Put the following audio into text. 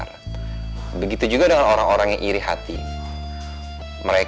sholat aja susah amat sih lo